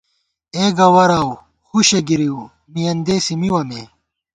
اے گوَراؤ ہُشّے گِرِؤ مِیَن دېسے مِوَہ مے